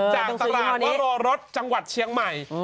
จากตลาดวโรรสจังหวัดเชียงใหม่